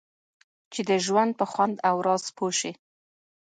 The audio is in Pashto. چې د ژوند په خوند او راز پوه شئ.